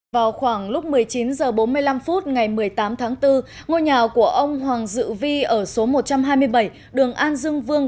vào khoảng lúc một mươi chín h bốn mươi năm phút ngày một mươi tám tháng bốn ngôi nhà của ông hoàng dự vi ở số một trăm hai mươi bảy đường an dương vương